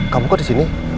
kamu kok disini